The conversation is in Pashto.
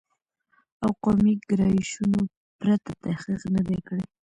او قومي ګرایشونو پرته تحقیق نه دی کړی